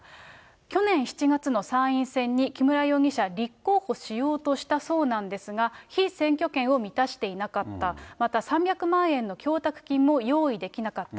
去年７月の参院選に木村容疑者、立候補しようとしたそうなんですが、被選挙権を満たしていなかった、また３００万円の供託金も用意できなかった。